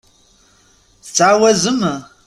Tettɛawazem?